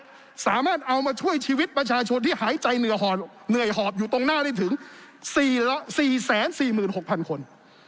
สามารถเอามาช่วยชีวิตประชาชนที่หายใจเหนื่อยหอบอยู่ตรงหน้าได้ถึง๔๔๖๐๐คน